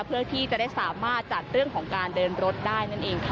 เพื่อที่จะได้สามารถจัดเรื่องของการเดินรถได้นั่นเองค่ะ